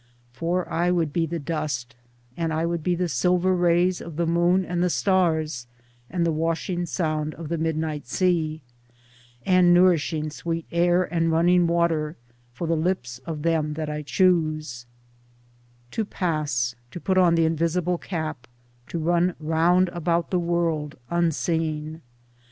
For I would be the dust ; And I would be the silver rays of the moon and the stars, and the washing sound of the midnight sea; And nourishing sweet air and running water, for the lips of them that I choose ; To pass, to put on the invisible cap, to run round about the world, unseen.